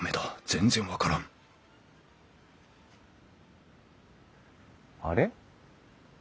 全然分からんあれ？